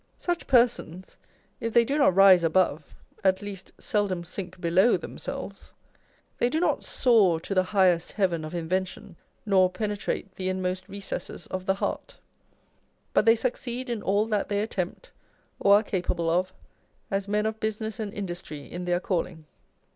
Such persons, if they do not rise above, at least seldom sink below themselves. They do not soar to the " highest heaven of invention," nor penetrate the inmost recesses of the heart ; but they succeed in all that they attempt, or are capable of, as men of business and industry in their calling.